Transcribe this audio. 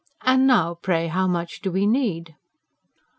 And now, pray, how much do we need?"